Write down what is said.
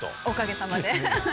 おかげさまで。